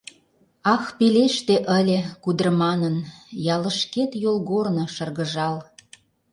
Ах, пелеште ыле, кудыр манын, ялышкет йолгорно, шыргыжал…